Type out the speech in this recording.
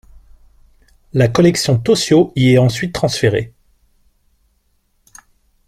La collection Tossio y est ensuite transférée.